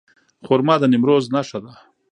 خرما د نیمروز نښه ده.